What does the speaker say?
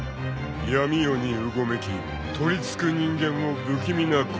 ［闇夜にうごめき取りつく人間を不気味な声で誘う］